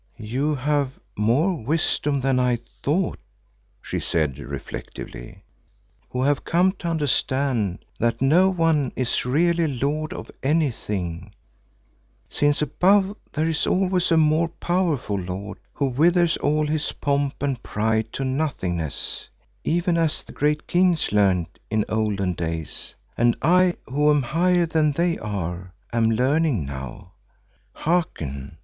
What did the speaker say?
"You have more wisdom than I thought," she said reflectively, "who have come to understand that no one is really lord of anything, since above there is always a more powerful lord who withers all his pomp and pride to nothingness, even as the great kings learned in olden days, and I, who am higher than they are, am learning now. Hearken.